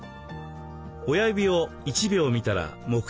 親指を１秒見たら目標を１秒。